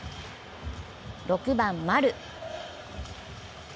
６番・丸。